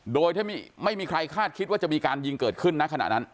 โดยถ้าไม่มีใครคาดคิดว่าจะมีการยิงเกิดขึ้นนะขณะนั้น